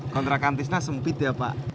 kontrakan tisna sempit ya pak